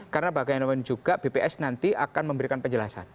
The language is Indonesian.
karena bagaimana juga bps nanti akan memberikan penjelasan